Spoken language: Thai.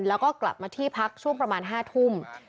และก็กลับมาที่พักช่วงประมาณ๑๕น